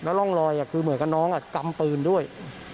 ร่องรอยคือเหมือนกับน้องกำปืนด้วย